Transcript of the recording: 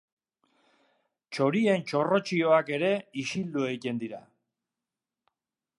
Txorien txorrotxioak ere isildu egiten dira.